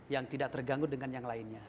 yang tidak terganggu dengan yang lainnya